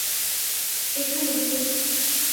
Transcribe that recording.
এখানে, প্রিয়।